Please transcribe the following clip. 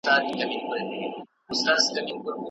ورور مې وویل چې په کلي کې پیاده ګرځېدل د خلکو خندا جوړوي.